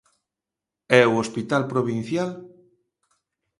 ¿E o hospital provincial?